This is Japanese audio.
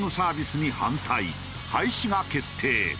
廃止が決定。